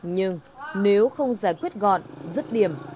nhưng nếu không giải quyết gọn rứt điềm